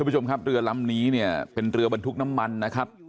ผู้ชมครับเรือลำนี้เนี่ยเป็นเรือบรรทุกน้ำมันนะครับ